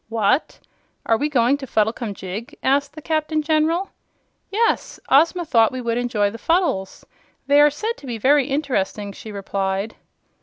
"What! Are we going to Fuddlecumjig?" asked the Captain General. "Yes; Ozma thought we might enjoy the Fuddles. They are said to be very interesting," she replied.